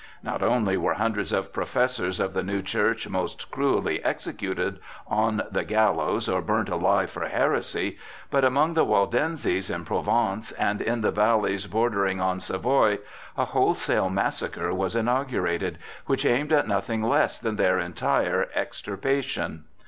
Not only were hundreds of professors of the new church most cruelly executed on the gallows or burnt alive for heresy, but among the Waldenses in Provence and in the valleys bordering on Savoy a wholesale massacre was inaugurated, which aimed at nothing less than their entire extirpation.